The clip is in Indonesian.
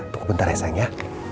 tunggu bentar ya sayang ya